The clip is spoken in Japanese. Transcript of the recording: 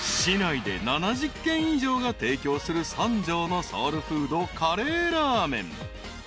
［市内で７０軒以上が提供する三条のソウルフードカレーラーメン］